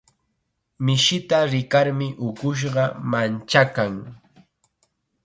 Mishita rikarmi ukushqa manchakan.